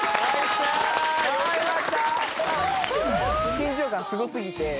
緊張感すごすぎて。